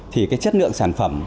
thì cái chất lượng sản phẩm